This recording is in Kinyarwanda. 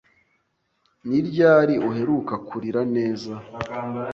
Ni ryari uheruka kurira neza?